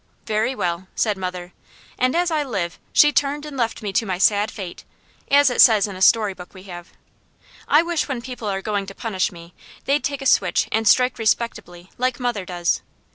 "Very well," said mother, and as I live she turned and left me to my sad fate, as it says in a story book we have. I wish when people are going to punish me, they'd take a switch and strike respectably, like mother does.